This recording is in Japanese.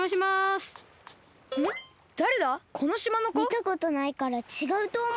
みたことないからちがうとおもう。